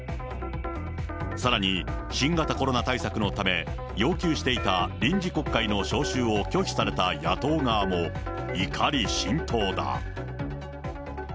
さらに新型コロナ対策のため、要求していた臨時国会の召集を拒否された野党側も、怒り心頭だ。